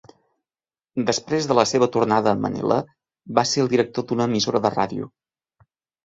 Després de la seva tornada a Manila, va ser el director d"una emissora de ràdio.